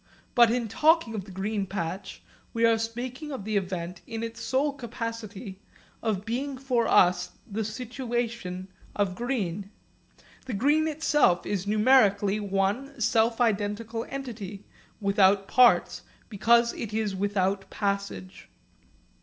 But in talking of the green patch we are speaking of the event in its sole capacity of being for us the situation of green. The green itself is numerically one self identical entity, without parts because it is without passage.